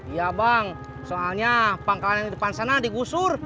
iya bang soalnya pangkal yang depan sana digusur